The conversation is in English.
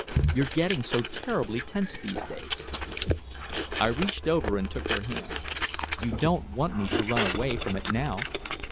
You're getting so terribly tense these days." I reached over and took her hand: "You don't want me to run away from it now?"